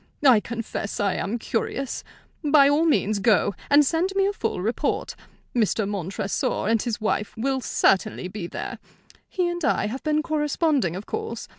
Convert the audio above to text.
I confess I am curious. By all means go, and send me a full report. Mr. Montresor and his wife will certainly be there. He and I have been corresponding, of course.